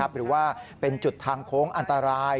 หรือว่าเป็นจุดทางโค้งอันตราย